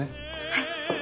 はい。